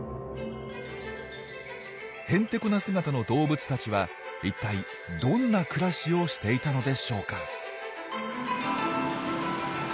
ヘンテコな姿の動物たちは一体どんな暮らしをしていたのでしょうか？